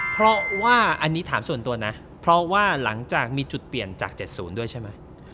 เพราะว่าอันนี้ถามส่วนตัวนะเพราะว่าหลังจากมีจุดเปลี่ยนจาก๗๐ด้วยใช่ไหม